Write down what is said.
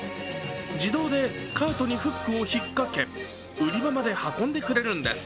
自動でカートにフックを引っかけ売り場まで運んでくれるんです